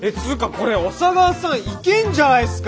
これ小佐川さんいけんじゃないすか。